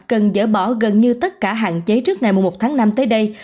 cần dỡ bỏ gần như tất cả hạn chế trước ngày một tháng năm tới đây